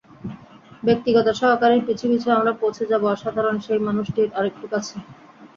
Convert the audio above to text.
ব্যক্তিগত সহকারীর পিছু পিছু আমরা পৌঁছে যাব অসাধারণ সেই মানুষটির আরেকটু কাছে।